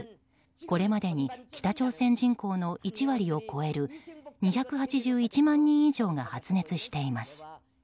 これまでに北朝鮮人口の１割を超える２８１万人以上が発熱しています。